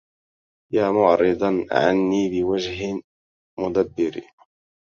يا معرضا عني بوجه مدبر